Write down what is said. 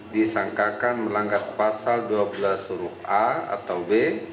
disangkakan melanggar pasal dua belas huruf a atau b